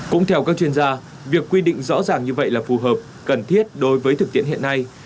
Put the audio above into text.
cũng theo các chuyên gia việc quy định rõ ràng như vậy là phù hợp cần thiết đối với thực tiễn hiện nay